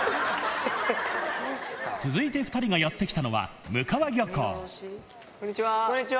続いて２人がやって来たのは、こんにちは。